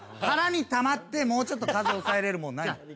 腹にたまってもうちょっと数抑えられるものないの？